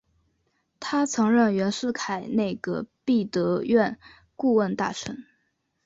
他曾任袁世凯内阁弼德院顾问大臣。